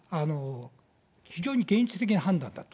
非常に現実的な判断だと。